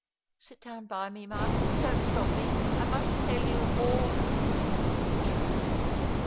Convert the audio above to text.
" Sit down by me, Martin — don't stop me — I must tell you —all— the truth."